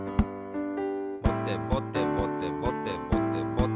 「ぼてぼてぼてぼてぼてぼて」